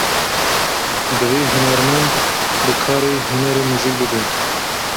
Divê hunermend, bi karê hunerê mijûl bibe